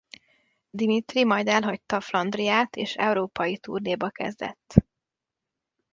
Dimitri majd elhagyta Flandriát és európai turnéba kezdett.